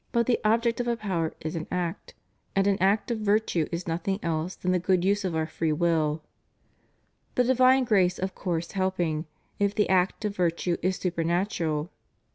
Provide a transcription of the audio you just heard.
449 the object of a power is an act; and an act of virtue i» nothing else than the good use of our free will";* the divine grace of course helping, if the act of virtue is super natural.